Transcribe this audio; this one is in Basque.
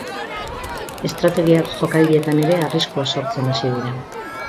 Estrategia jokaldietan ere arriskua sortzen hasi dira.